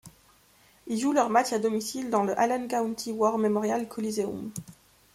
Ils jouent leur matchs à domicile dans le Allen County War Memorial Coliseum.